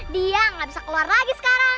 dia nggak bisa keluar lagi sekarang